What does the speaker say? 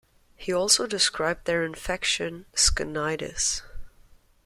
He also described their infection - "skenitis".